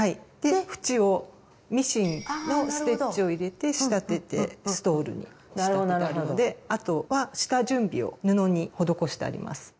縁をミシンのステッチを入れて仕立ててストールに仕立てたものであとは下準備を布に施してあります。